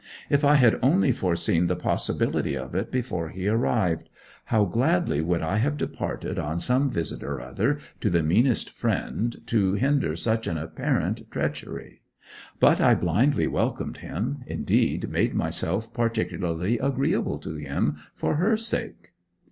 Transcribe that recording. If I had only foreseen the possibility of it before he arrived, how gladly would I have departed on some visit or other to the meanest friend to hinder such an apparent treachery. But I blindly welcomed him indeed, made myself particularly agreeable to him for her sake.